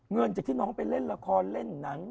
เงินจากที่น้องไปเล่นละครเล่นหนัง